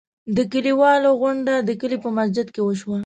د کلیوالو غونډه د کلي په مسجد کې وشوه.